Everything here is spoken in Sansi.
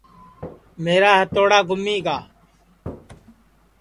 میرا ہتوڑا گُمی گا